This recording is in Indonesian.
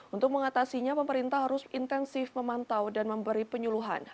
untuk mengatasinya pemerintah harus intensif memantau dan memberi penyuluhan